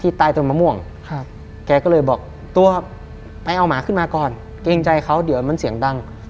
ใต้ต้นมะม่วงครับแกก็เลยบอกตัวไปเอาหมาขึ้นมาก่อนเกรงใจเขาเดี๋ยวมันเสียงดัง